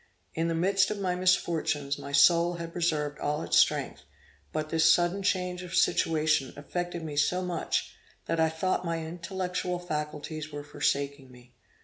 In the midst of my misfortunes my soul had preserved all its strength; but this sudden change of situation affected me so much, that I thought my intellectual faculties were forsaking me.